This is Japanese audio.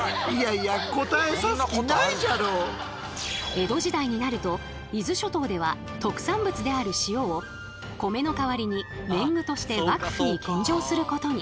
江戸時代になると伊豆諸島では特産物である「塩」を米の代わりに年貢として幕府に献上することに。